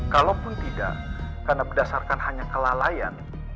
kalaupun tidak karena berdasarkan hanya kelalaian